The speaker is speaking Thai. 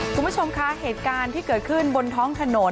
คุณผู้ชมคะเหตุการณ์ที่เกิดขึ้นบนท้องถนน